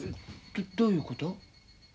どどういうこと？